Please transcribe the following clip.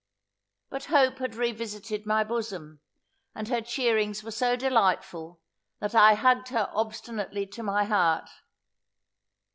But hope had re visited my bosom; and her chearings were so delightful, that I hugged her obstinately to my heart.